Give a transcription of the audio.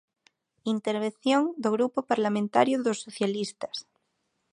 Intervención do Grupo Parlamentario dos Socialistas.